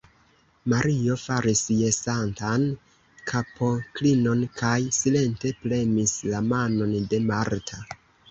Mario faris jesantan kapoklinon kaj silente premis la manon de Marta.